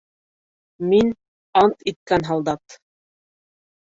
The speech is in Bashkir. — Мин ант иткән һалдат...